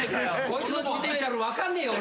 こいつのポテンシャル分かんねえよ